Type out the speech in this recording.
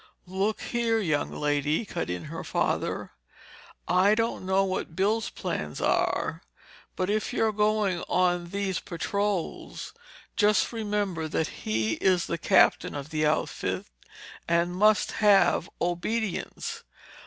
"Look here, young lady," cut in her father. "I don't know what Bill's plans are, but if you're going on these patrols, just remember that he is the captain of the outfit and must have obedience.